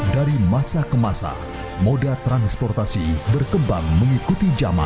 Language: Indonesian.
dari masa ke masa moda transportasi berkembang mengikuti zaman